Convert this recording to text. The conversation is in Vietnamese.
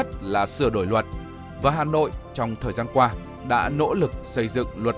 kết quả rồi xử điện kiện sửa đổi luật và hà nội trong thời gian qua đã nỗ lực xây dựng luật